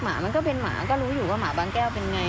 มันก็เป็นหมาก็รู้อยู่ว่าหมาบางแก้วเป็นไง